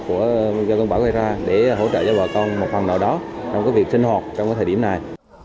của do cân bảo quay ra để hỗ trợ cho bà con một phần nào đó trong cái việc sinh hoạt trong cái thời điểm này